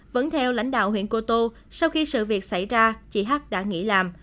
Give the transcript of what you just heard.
vẫn theo lãnh đạo huyện cô tô sau khi sự việc xảy ra chị h đã nghỉ làm